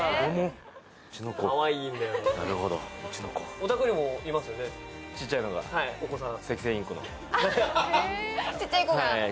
お宅にもいますよね、ちっちゃいのが、お子さん。